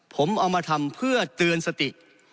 ผมเอามาทำเพื่อเตือนสติ